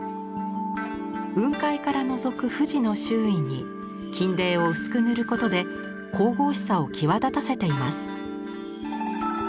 雲海からのぞく富士の周囲に金泥を薄く塗ることで神々しさを際立たせています。